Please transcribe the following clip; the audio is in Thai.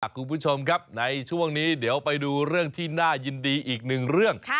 คุณผู้ชมครับในช่วงนี้เดี๋ยวไปดูเรื่องที่น่ายินดีอีกหนึ่งเรื่อง